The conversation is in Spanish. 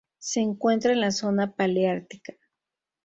Se encuentra en la zona paleártica.